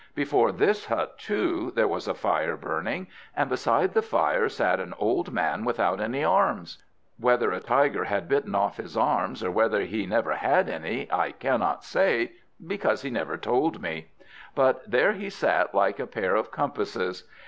Before this hut, too, there was a fire burning, and beside the fire sat an old man without any arms. Whether a tiger had bitten off his arms or whether he never had any, I cannot say, because he never told me; but there he sat like a pair of compasses.